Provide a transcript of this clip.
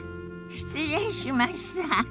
失礼しました。